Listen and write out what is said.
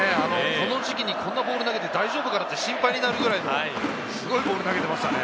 この時期に、こんなボール投げて大丈夫かと心配になるぐらい、すごいボールを投げていましたね。